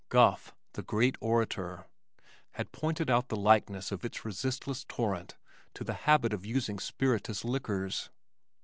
Gough, the great orator, had pointed out the likeness of its resistless torrent to the habit of using spirituous liquors.